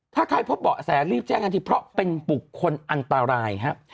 ถ้าใครพบเบาะแสรีบแจ้งทันทีเพราะเป็นบุคคลอันตรายครับ